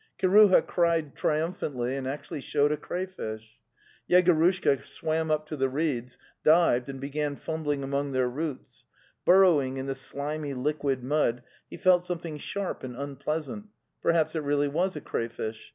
Kiruha cried triumphantly and actually showed a crayfish. Yegorushka swam up to the reeds, dived, and began fumbling among their roots. Burrowing in the slimy, liquid mud, he felt something sharp and unpleasant — perhaps it really was a crayfish.